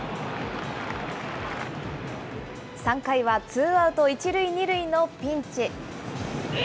３回はツーアウト１塁２塁のピンチ。